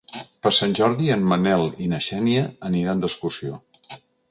Per Sant Jordi en Manel i na Xènia aniran d'excursió.